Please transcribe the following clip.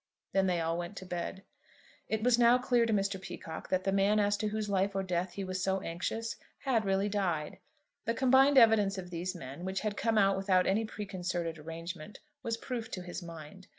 Then they all went to bed. It was now clear to Mr. Peacocke that the man as to whose life or death he was so anxious had really died. The combined evidence of these men, which had come out without any preconcerted arrangement, was proof to his mind.